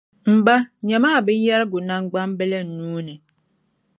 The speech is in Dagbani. M ba, nyama a binyɛrigu naŋgbambili n nuu ni.